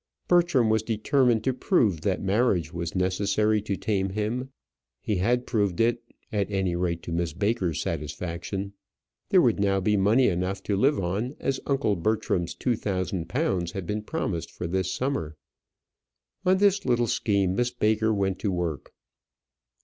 Bertram was determined to prove that marriage was necessary to tame him; he had proved it at any rate to Miss Baker's satisfaction. There would now be money enough to live on, as uncle Bertram's two thousand pounds had been promised for this summer. On this little scheme Miss Baker went to work.